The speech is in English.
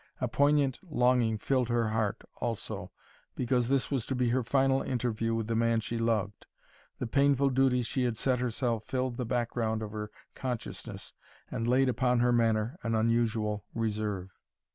A poignant longing filled her heart, also, because this was to be her final interview with the man she loved. The painful duty she had set herself filled the background of her consciousness and laid upon her manner an unusual reserve.